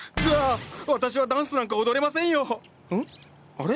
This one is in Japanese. あれ？